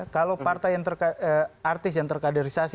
kalau partai yang terkaderisasi